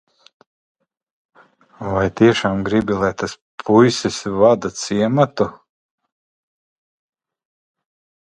Vai tiešām gribi, lai tas puisis vada ciematu?